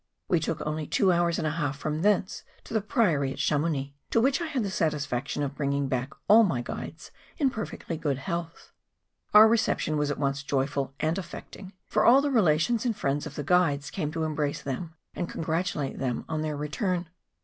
We took only two hours and a half from thence to the priory at Cha mounix, to which I had the satisfaction of bringing back all my guides in perfectly good health. Our reception was at once joyful and affecting; for all the relations and friends of the guides came to embrace them and congratulate them on their return.